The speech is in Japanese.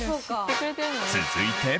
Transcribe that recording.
続いて。